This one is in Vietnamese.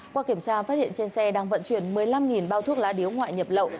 qua kiểm tra phát hiện trên xe đang vận chuyển một mươi năm bao thuốc lá điếu ngoại nhập lậu